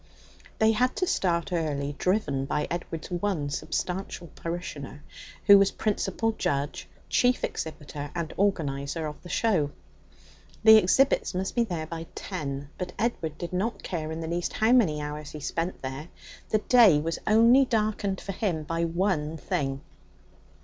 They had to start early, driven by Edward's one substantial parishioner, who was principal judge, chief exhibitor, and organizer of the show. The exhibits must be there by ten; but Edward did not care in the least how many hours he spent there. The day was only darkened for him by one thing.